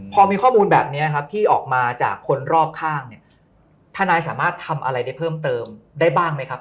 พอมีข้อมูลแบบนี้ครับที่ออกมาจากคนรอบข้างเนี่ยทนายสามารถทำอะไรได้เพิ่มเติมได้บ้างไหมครับ